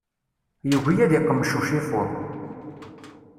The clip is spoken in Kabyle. Yugi ad iqmec ucifuḍ.